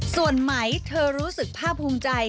ส่วนไหมเธอรู้สึกภาพภูมิใจ